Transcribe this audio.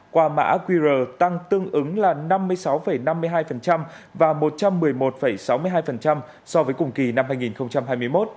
qua mã qr tăng tương ứng là năm mươi sáu năm mươi hai và một trăm một mươi một sáu mươi hai so với cùng kỳ năm hai nghìn hai mươi một